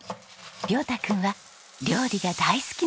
椋太君は料理が大好きなんですよ！